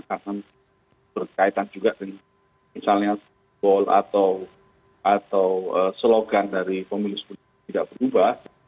karena berkaitan juga dengan misalnya gol atau slogan dari pemilih sebut tidak berubah